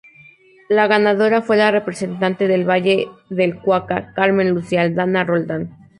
La ganadora fue la representante de Valle del Cauca, Carmen Lucía Aldana Roldán.